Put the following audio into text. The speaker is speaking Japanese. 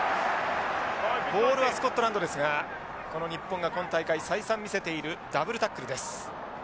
ボールはスコットランドですがこの日本が今大会再三見せているダブルタックルです。